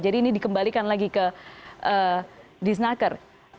jadi ini dikembalikan lagi ke diznaker